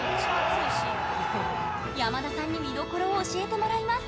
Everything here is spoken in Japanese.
山田さんに見どころを教えてもらいます。